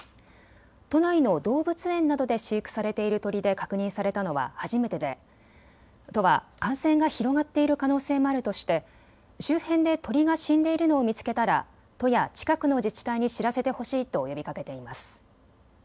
都内の動物園などで飼育されている鳥で確認されたのは初めてで都は感染が広がっている可能性もあるとして周辺で鳥が死んでいるのを見つけたら都や近くの自治体に知らせてほしいと呼びかけています。